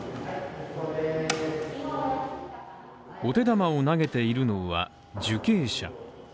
お手玉を投げているのは、受刑者。